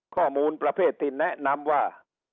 ข้อมูลประเภทที่แนะนำว่า